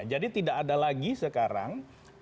jadi tidak ada lagi sekarang